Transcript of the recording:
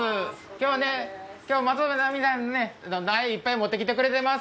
今日はね今日は松浪さんね苗いっぱい持ってきてくれてます。